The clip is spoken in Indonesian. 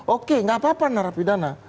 oke gak apa apa narapidana